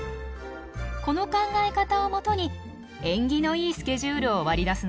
この考え方を基に縁起のいいスケジュールを割り出すのです。